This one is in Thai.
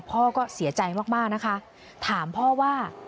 พ่อก็เสียใจมากมากนะคะถามพ่อว่า